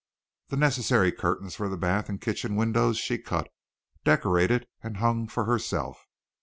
The necessary curtains for the bath and kitchen windows she cut, decorated and hung for herself.